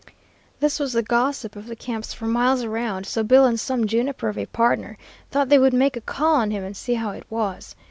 This was the gossip of the camps for miles around, so Bill and some juniper of a pardner thought they would make a call on him and see how it was.